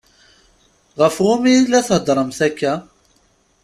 Ɣef umi i la theddṛemt akka?